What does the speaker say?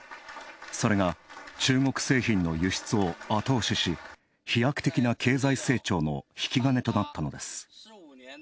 それが、中国製品の輸出を後押しし、飛躍的な経済成長の引き金となったのです。